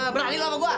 berani lu sama gua